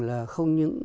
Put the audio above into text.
là không những